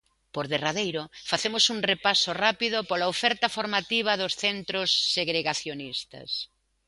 Por derradeiro, facemos un repaso rápido pola oferta formativa dos centros segregacionistas.